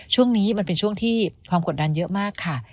ช่วงนี้มันเป็นช่วงที่ความกดดันเยอะมากค่ะ